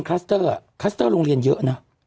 คัสเตอร์อ่ะคัสเตอร์โรงเรียนเยอะนะ